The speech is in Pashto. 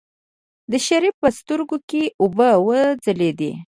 د شريف په سترګو کې اوبه وځلېدلې.